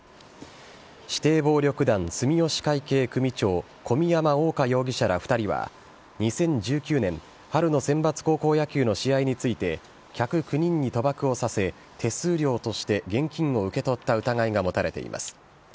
指定暴力団住吉会系組長、小宮山欧果容疑者ら２人は、２０１９年、春の選抜高校野球の試合について、客９人に賭博をさせ、手数料として現金を受け取った疑いが持たれています。